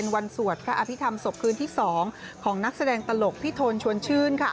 สวดพระอภิษฐรรมศพคืนที่๒ของนักแสดงตลกพี่โทนชวนชื่น